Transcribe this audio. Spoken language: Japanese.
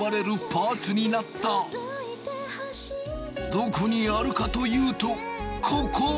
どこにあるかというとここ！